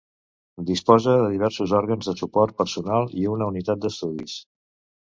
Disposa de diversos òrgans de suport personal i una Unitat d'Estudis.